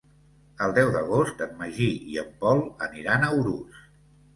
El deu d'agost en Magí i en Pol aniran a Urús.